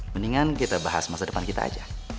mendingan kita bahas masa depan kita aja